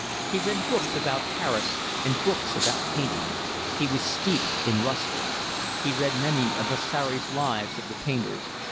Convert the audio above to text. He read books about Paris and books about painting. He was steeped in Ruskin. He read many of Vasari's lives of the painters.